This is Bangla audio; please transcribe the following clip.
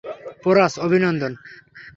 পোরাস, অভিনন্দন!